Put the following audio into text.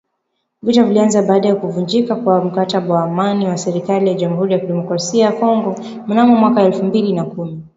Vita ilianza baada ya kuvunjika kwa mkataba wa amani na serikali ya Jamhuri ya Kidemocrasia ya Kongo, mnamo mwaka elfu mbili na kumi.